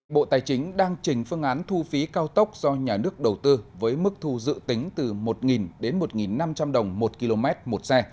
bộ tài chính đang trình phương án thu phí cao tốc do nhà nước đầu tư với mức thu dự tính từ một đến một năm trăm linh đồng một km một xe